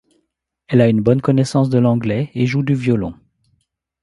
Elle a une bonne connaissance de l’anglais et joue du violon.